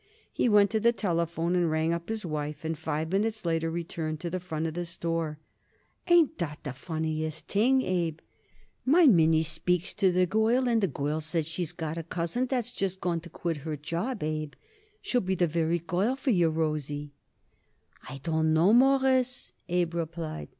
He went to the telephone and rang up his wife, and five minutes later returned to the front of the store. "Ain't that the funniest thing, Abe," he said. "My Minnie speaks to the girl, and the girl says she got a cousin what's just going to quit her job, Abe. She'll be the very girl for your Rosie." "I don't know, Mawruss," Abe replied.